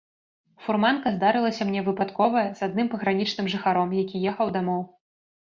Фурманка здарылася мне выпадковая з адным пагранічным жыхаром, які ехаў дамоў.